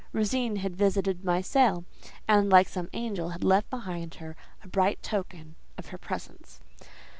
Rosine had visited my cell, and, like some angel, had left behind her a bright token of her presence.